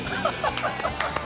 ハハハ